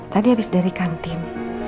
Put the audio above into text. tadi habis dari kantin